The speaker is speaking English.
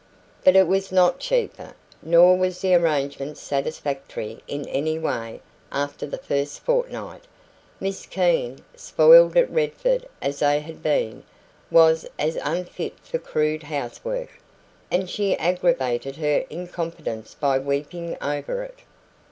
But it was not cheaper, nor was the arrangement satisfactory in any way after the first fortnight. Miss Keene, spoiled at Redford as they had been, was as unfit for crude housework, and she aggravated her incompetence by weeping over it.